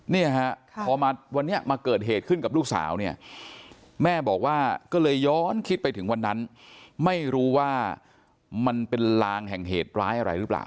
เนี่ยฮะพอมาวันนี้มาเกิดเหตุขึ้นกับลูกสาวเนี่ยแม่บอกว่าก็เลยย้อนคิดไปถึงวันนั้นไม่รู้ว่ามันเป็นลางแห่งเหตุร้ายอะไรหรือเปล่า